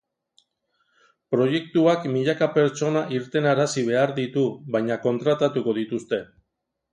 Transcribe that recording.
Proiektuak milaka pertsona irtenarazi behar ditu, baina, kontratatuko dituzte.